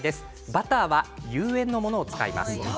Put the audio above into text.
バターは有塩のものを使います。